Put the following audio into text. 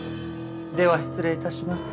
では失礼致します。